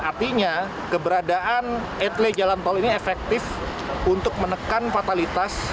artinya keberadaan etele jalan tol ini efektif untuk menekan fatalitas